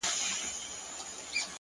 هره لاسته راوړنه د صبر له لارې راځي؛